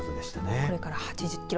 これから８０キロ